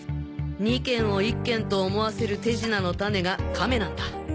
２軒を１軒と思わせる手品のタネがカメなんだ。